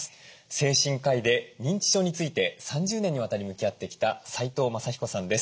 精神科医で認知症について３０年にわたり向き合ってきた齋藤正彦さんです。